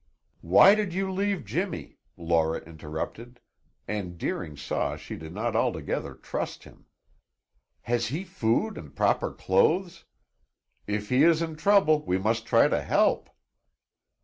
"Why did you leave Jimmy?" Laura interrupted, and Deering saw she did not altogether trust him. "Has he food and proper clothes? If he is in trouble, we must try to help."